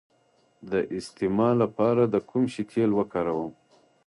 د استما لپاره د کوم شي تېل وکاروم؟